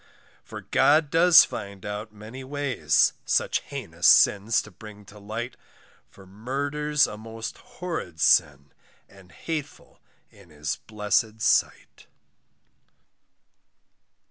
For God does find out many ways, Such heinous sins to bring to light, For murder's a most horrid sin, And hateful in his blessed sight.